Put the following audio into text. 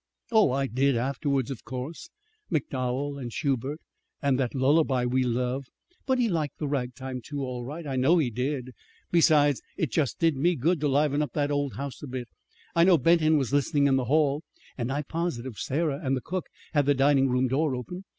"Oh, I did, afterwards, of course, MacDowell and Schubert, and that lullaby we love. But he liked the ragtime, too, all right. I know he did. Besides, it just did me good to liven up the old house a bit. I know Benton was listening in the hall, and I'm positive Sarah and the cook had the dining room door open.